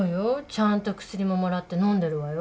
ちゃんと薬ももらってのんでるわよ。